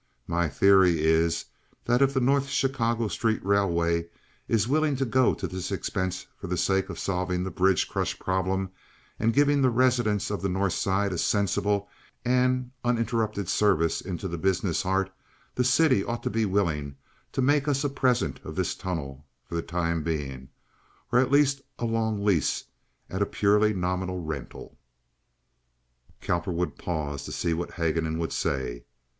My theory is that if the North Chicago Street Railway is willing to go to this expense for the sake of solving this bridge crush problem, and giving the residents of the North Side a sensible and uninterrupted service into the business heart, the city ought to be willing to make us a present of this tunnel for the time being, or at least a long lease at a purely nominal rental." Cowperwood paused to see what Haguenin would say.